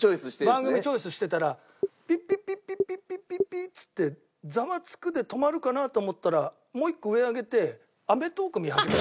番組チョイスしてたらピピピピピピピピッつって『ザワつく！』で止まるかなと思ったらもう一個上上げて『アメトーーク』見始めた。